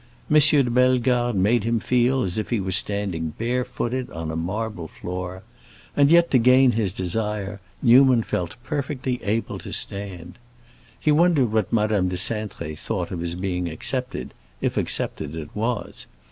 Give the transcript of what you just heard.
M. de Bellegarde made him feel as if he were standing bare footed on a marble floor; and yet, to gain his desire, Newman felt perfectly able to stand. He wondered what Madame de Cintré thought of his being accepted, if accepted it was.